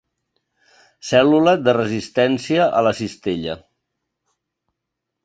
Cèl·lula de resistència a la cistella.